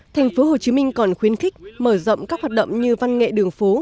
thành phố hồ chí minh còn khuyến khích mở rộng các hoạt động như văn nghệ đường phố